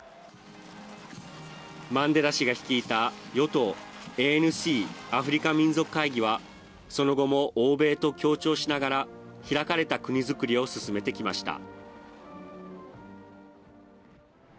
マンデラ氏が率いた与党ＡＮＣ＝アフリカ民族会議はその後も欧米と協調しながら開かれた国づくりを進めてきました。